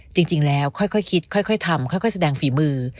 จริงแล้วค่อยคิดค่อยทำค่อยแสดงฝีมือ